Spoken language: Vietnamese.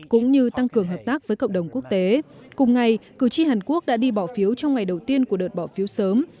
cũng như tăng cường hợp tác với cộng đồng quốc tế cùng ngày cử tri hàn quốc đã đi bỏ phiếu trong ngày đầu tiên của đợt bỏ phiếu sớm